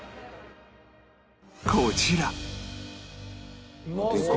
こちら